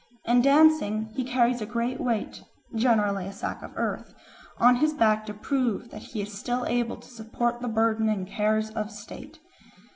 In dancing he carries a great weight, generally a sack of earth, on his back to prove that he is still able to support the burden and cares of state.